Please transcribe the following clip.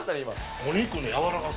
お肉の柔らかさ。